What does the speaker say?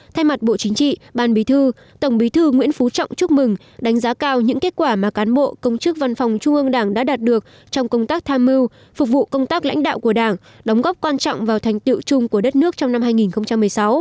thay mặt bộ chính trị ban bí thư tổng bí thư nguyễn phú trọng chúc mừng đánh giá cao những kết quả mà cán bộ công chức văn phòng trung ương đảng đã đạt được trong công tác tham mưu phục vụ công tác lãnh đạo của đảng đóng góp quan trọng vào thành tiệu chung của đất nước trong năm hai nghìn một mươi sáu